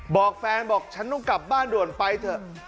บอกแฟนบอกฉันต้องกลับบ้านด่วนไปเถอะ